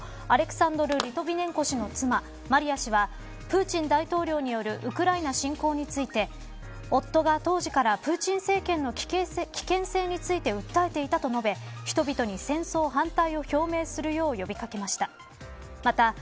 アレクサンドル・リトビネンコ氏の妻マリア氏はプーチン大統領によるウクライナ侵攻について夫が当時からプーチン政権の危険性について訴えていたと述べ人々に戦争反対を表明するよう呼びかけました。